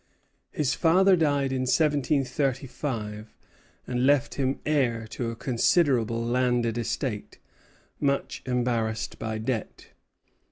His father died in 1735, and left him heir to a considerable landed estate, much embarrassed by debt.